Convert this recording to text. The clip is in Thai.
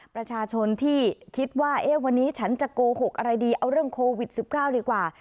ประชาชนที่คิดว่าวันนี้ฉันจะโกหกอะไรดีเอาเรื่องโควิด๑๙ดีกว่า